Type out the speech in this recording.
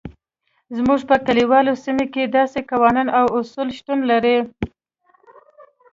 زموږ په کلیوالو سیمو کې داسې قوانین او اصول شتون لري.